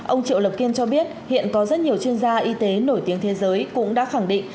ông triệu lập kiên cho biết hiện có rất nhiều chuyên gia y tế nổi tiếng thế giới cũng đã khẳng định